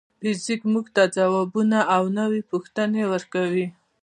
فزیک موږ ته ځوابونه او نوې پوښتنې ورکوي.